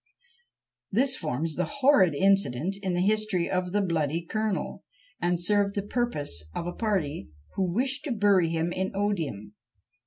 This forms the horrid incident in the history of "the bloody Colonel," and served the purpose of a party, who wished to bury him in odium.